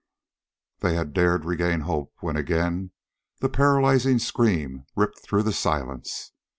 They had dared regain hope when again the paralyzing scream ripped through the silence.